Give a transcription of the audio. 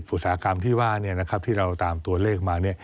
อุตสาหกรรมที่ว่าที่เราตามตัวเลขมา